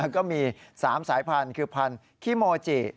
ก็มี๓สายพันธุ์คือพันธุ์ขี้โมจิ